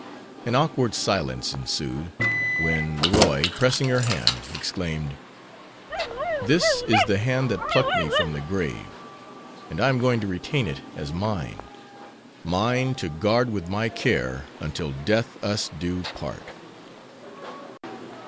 An awkward silence ensued, when Leroy, pressing her hand, exclaimed: "This is the hand that plucked me from the grave, and I am going to retain it as mine; mine to guard with my care until death us do part."